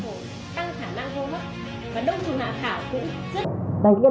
và đông chủ hạ thảo cũng rất